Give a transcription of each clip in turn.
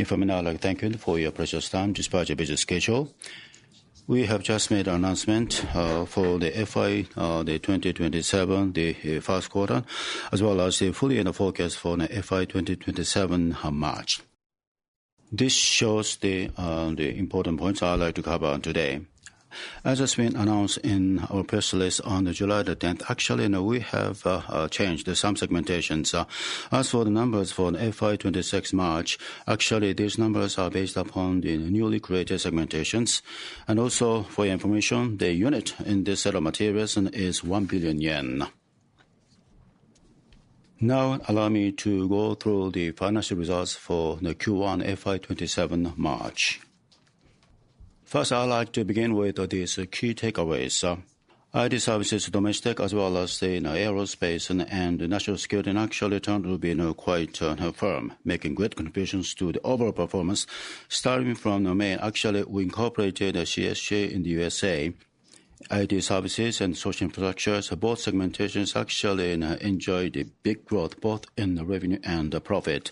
Information. I would like to thank you for your precious time despite your busy schedule. We have just made an announcement for the FY2027, the first quarter, as well as the full year forecast for the FY2027 March. This shows the important points I would like to cover today. As has been announced in our press release on July the 10th, actually, we have changed some segmentations. As for the numbers for FY26 March, actually, these numbers are based upon the newly created segmentations. Also for your information, the unit in this set of materials is 1 billion yen. Now, allow me to go through the financial results for the Q1 FY27 March. First, I would like to begin with these key takeaways. IT Services, domestic, as well as the aerospace and national security actually turned out to be quite firm, making great contributions to the overall performance. Starting from domain, actually, we incorporated CSG in the U.S.A. IT Services and Social Infrastructure, both segmentations actually enjoyed big growth both in the revenue and the profit.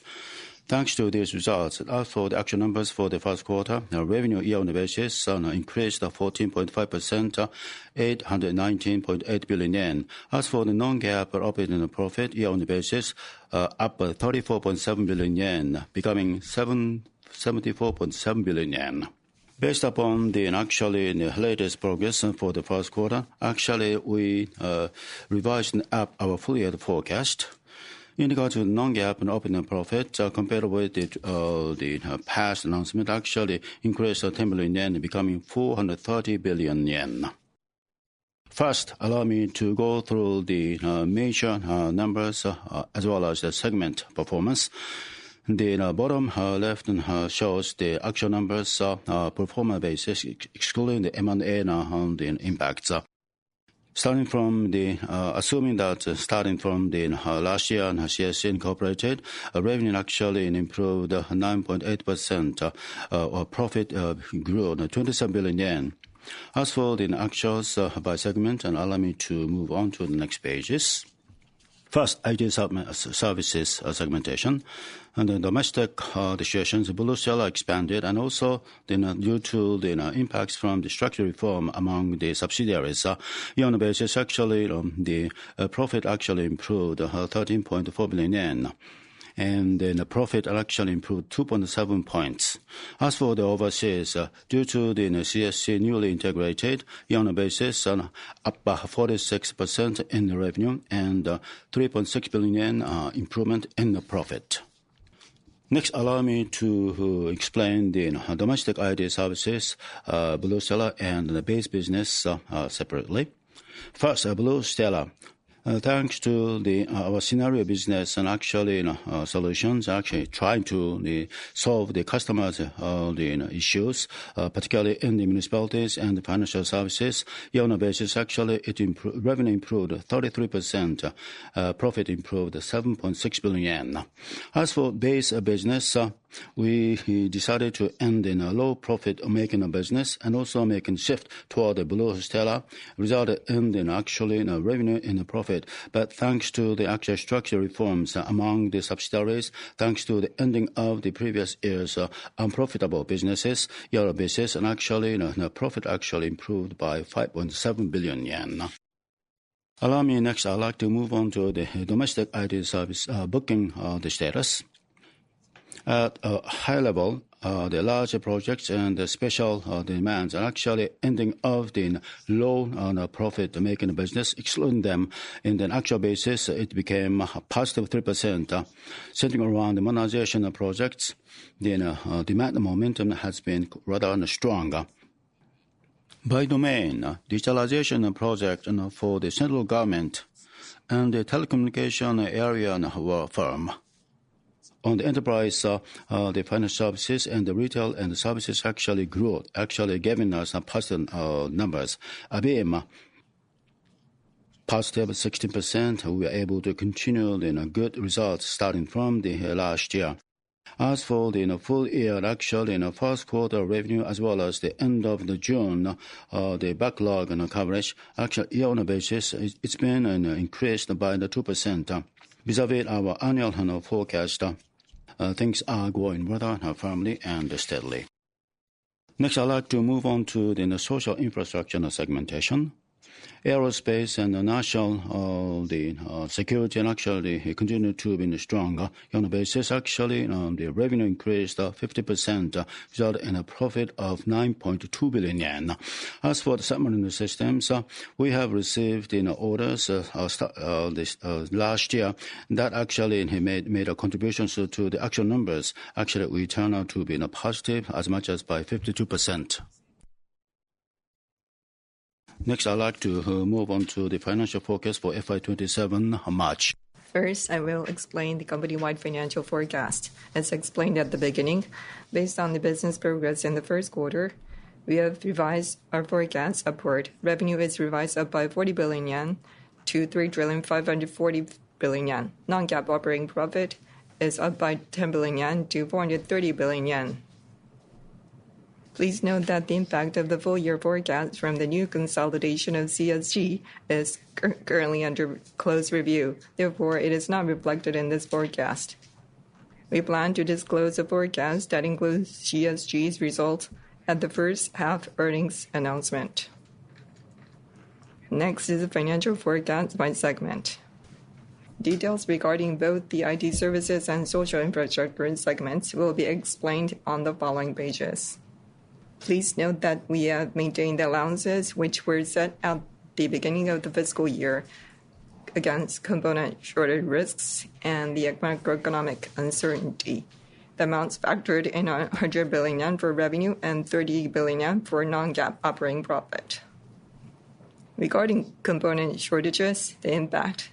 Thanks to these results, as for the actual numbers for the first quarter, our revenue year-on-year increased to 14.5%, 819.8 billion yen. As for the non-GAAP operating profit year-on-year, up 34.7 billion yen, becoming 74.7 billion yen. Based upon actually the latest progress for the first quarter, actually, we revised up our full-year forecast. In regard to non-GAAP operating profit, compared with the past announcement, actually increased temporarily then becoming 430 billion yen. First, allow me to go through the major numbers as well as the segment performance. The bottom left shows the actual numbers pro forma basis, excluding the M&A impacts. Assuming that starting from last year, CSG incorporated, our revenue actually improved 9.8%, our profit grew 27 billion yen. As for the actuals by segment, allow me to move on to the next pages. First, IT Services segmentation, and domestic situations, Blue Stella expanded and also due to the impacts from the structural reform among the subsidiaries. Year-on-year, actually, the profit actually improved 13.4 billion yen and the profit actually improved 2.7 points. As for the overseas, due to the CSG newly integrated, year-on-year, up 46% in revenue and 3.6 billion yen improvement in the profit. Next, allow me to explain the domestic IT Services, Blue Stella and the base business separately. First, Blue Stella. Thanks to our scenario business and actually solutions, actually trying to solve the customer's issues, particularly in the municipalities and financial services. Year-on-year, actually, revenue improved 33%, profit improved 7.6 billion yen. As for base business, we decided to end low profit making business and also making shift toward Blue Stella resulted in actually revenue and profit. Thanks to the actual structure reforms among the subsidiaries, thanks to the ending of the previous year's unprofitable businesses, year on business and actually profit actually improved by 5.7 billion yen. Allow me next, I would like to move on to the domestic IT Services booking the status. At a high level, the larger projects and the special demands are actually ending of the low on profit-making business, excluding them in an actual basis, it became a positive 3%. Sitting around the monetization projects, the demand momentum has been rather strong. By domain, digitalization project for the central government and the telecommunication area were firm. On the enterprise, the financial services and the retail and services actually grew, actually giving us some positive numbers, being positive 16%, we are able to continue good results starting from the last year. As for the full year actual first quarter revenue as well as the end of the June, the backlog coverage, actually year-on-year basis, it has been increased by 2%. Vis-à-vis our annual forecast, things are going rather firmly and steadily. Next, I'd like to move on to the Social Infrastructure segmentation. aerospace and national security actually continued to be strong year-on-year basis. Actually, the revenue increased 50% resulting in a profit of 9.2 billion yen. As for the submarine systems, we have received orders last year, that actually made a contribution to the actual numbers. Actually, we turned out to be positive as much as by 52%. Next, I'd like to move on to the financial forecast for FY27 March. First, I will explain the company-wide financial forecast. As explained at the beginning, based on the business progress in the first quarter, we have revised our forecast upward. Revenue is revised up by 40 billion yen to 3 trillion 540 billion. Non-GAAP operating profit is up by 10 billion yen to 430 billion yen. Please note that the impact of the full year forecast from the new consolidation of CSG is currently under close review. It is not reflected in this forecast. We plan to disclose a forecast that includes CSG's results at the first half earnings announcement. Next is the financial forecast by segment. Details regarding both the IT Services and Social Infrastructure segments will be explained on the following pages. Please note that we have maintained the allowances which were set at the beginning of the fiscal year against component shortage risks and the macroeconomic uncertainty. The amounts factored in are 100 billion yen for revenue and 30 billion yen for Non-GAAP operating profit. Regarding component shortages, the impact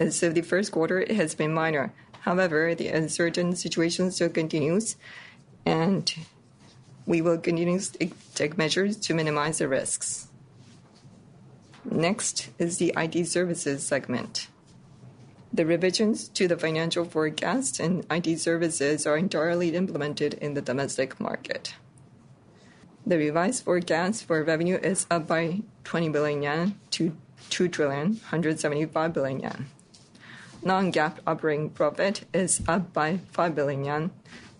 as of the first quarter has been minor. The uncertain situation still continues, and we will continue to take measures to minimize the risks. Next is the IT Services segment. The revisions to the financial forecast and IT Services are entirely implemented in the domestic market. The revised forecast for revenue is up by 20 billion yen to 2 trillion 175 billion. Non-GAAP operating profit is up by 5 billion yen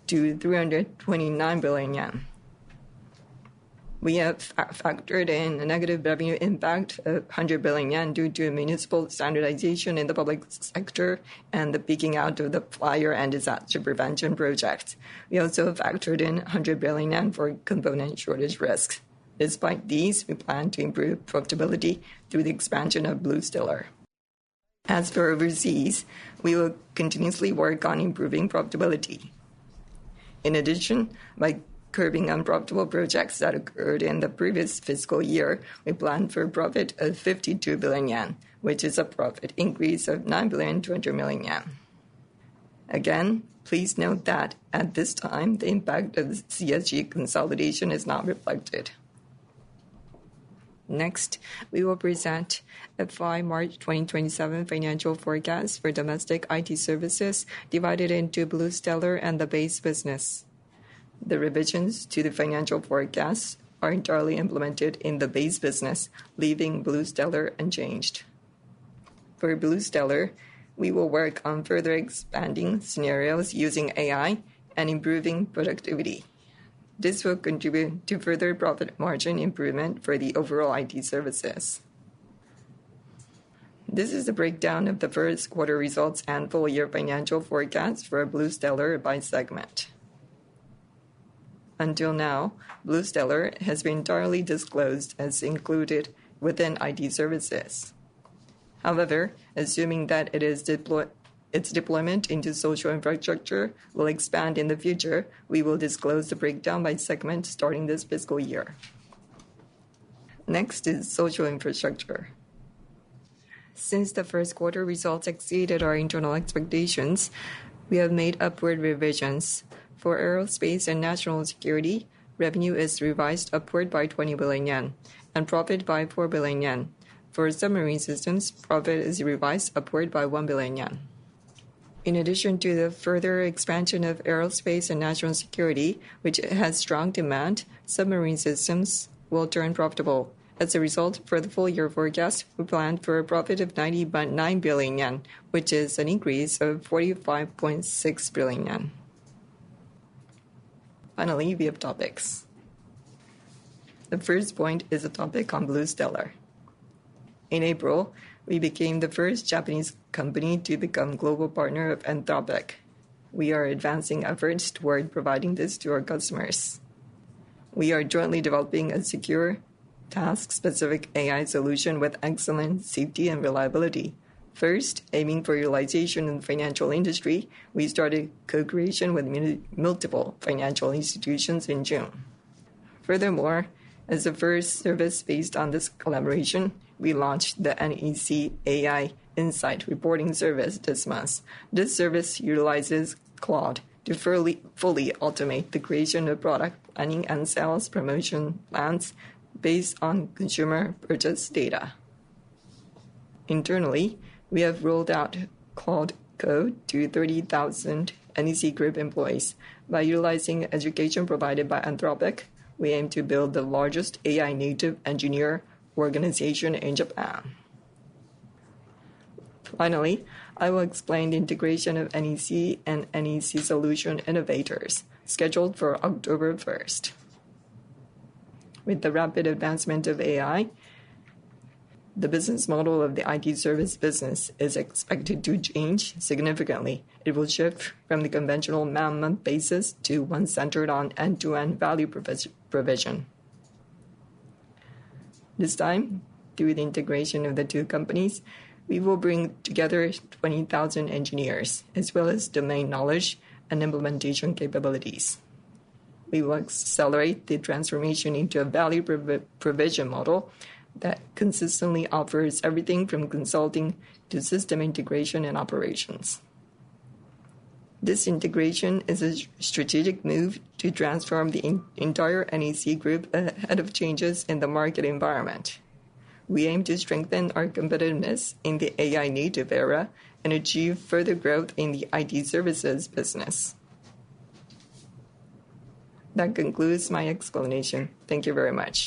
to 329 billion yen. We have factored in a negative revenue impact of 100 billion yen due to municipal standardization in the public sector and the peaking out of the prior disaster prevention project. We also factored in 100 billion yen for component shortage risks. Despite these, we plan to improve profitability through the expansion of BlueStellar. As for overseas, we will continuously work on improving profitability. In addition, by curbing unprofitable projects that occurred in the previous fiscal year, we plan for a profit of 52 billion yen, which is a profit increase of 9.2 billion. Again, please note that at this time, the impact of CSG consolidation is not reflected. Next, we will present the 5 March 2027 financial forecast for domestic IT Services divided into BlueStellar and the base business. The revisions to the financial forecast are entirely implemented in the base business, leaving BlueStellar unchanged. For BlueStellar, we will work on further expanding scenarios using AI and improving productivity. This will contribute to further profit margin improvement for the overall IT Services. This is a breakdown of the first quarter results and full year financial forecast for BlueStellar by segment. Until now, BlueStellar has been entirely disclosed as included within IT Services. However, assuming that its deployment into Social Infrastructure will expand in the future, we will disclose the breakdown by segment starting this fiscal year. Next is Social Infrastructure. Since the first quarter results exceeded our internal expectations, we have made upward revisions. For aerospace and national security, revenue is revised upward by 20 billion yen and profit by 4 billion yen. For submarine systems, profit is revised upward by 1 billion yen. In addition to the further expansion of aerospace and national security, which has strong demand, submarine systems will turn profitable. As a result, for the full year forecast, we plan for a profit of 9.9 billion yen, which is an increase of 45.6 billion yen. Finally, we have topics. The first point is a topic on BlueStellar. In April, we became the first Japanese company to become global partner of Anthropic. We are advancing efforts toward providing this to our customers. We are jointly developing a secure task-specific AI solution with excellent safety and reliability. First, aiming for utilization in the financial industry, we started co-creation with multiple financial institutions in June. Furthermore, as a first service based on this collaboration, we launched the NEC AI Insight Reporting Service this month. This service utilizes Claude to fully automate the creation of product planning and sales promotion plans based on consumer purchase data. Internally, we have rolled out Claude Code to 30,000 NEC Group employees. By utilizing education provided by Anthropic, we aim to build the largest AI native engineer organization in Japan. Finally, I will explain the integration of NEC and NEC Solution Innovators scheduled for October 1st. With the rapid advancement of AI, the business model of the IT Services business is expected to change significantly. It will shift from the conventional man-month basis to one centered on end-to-end value provision. This time, through the integration of the two companies, we will bring together 20,000 engineers, as well as domain knowledge and implementation capabilities. We will accelerate the transformation into a value provision model that consistently offers everything from consulting to system integration and operations. This integration is a strategic move to transform the entire NEC Group ahead of changes in the market environment. We aim to strengthen our competitiveness in the AI native era and achieve further growth in the IT Services business. That concludes my explanation. Thank you very much.